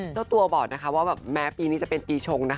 เจ้าตัวบอกว่าแม้ปีนี้จะเป็นปีชง